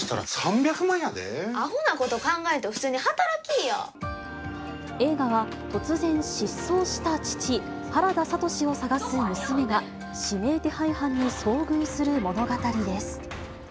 あほなこと考えんと、普通に映画は、突然失踪した父、原田智を捜す娘が、指名手配犯に遭遇する物語です。